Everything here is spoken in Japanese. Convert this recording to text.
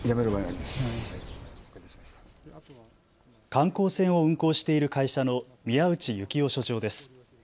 観光船を運航している会社の宮内幸雄所長です。